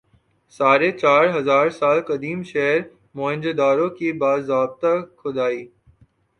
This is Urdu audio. ساڑھے چار ہزار سال قدیم شہر موئن جو دڑو کی باضابطہ کھُدائی